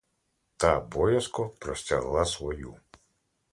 Та боязко простягла свою.